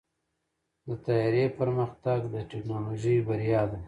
د طیارې پرمختګ د ټیکنالوژۍ بریا ده.